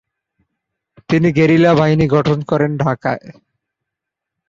তিনি গেরিলা বাহিনী গঠন করেন ঢাকায়।